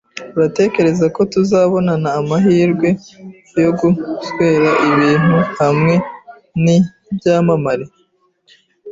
Uratekereza ko tuzabona amahirwe yo guswera ibitugu hamwe nibyamamare?